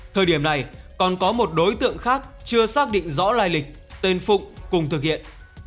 thời điểm này còn có một đối tượng khác chưa xác định rõ lai lịch tên phụng cùng thực hiện